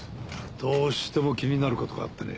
どうしても気になることがあってね。